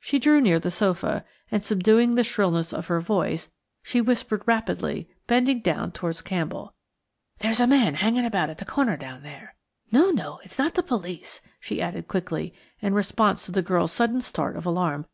She drew near to the sofa, and, subduing the shrillness of her voice, she whispered rapidly, bending down towards Campbell: "There's a man hanging about at the corner down there. No, no; it's not the police," she added quickly, in response to the girl's sudden start of alarm.